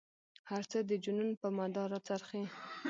هر څه د جنون په مدار را څرخي.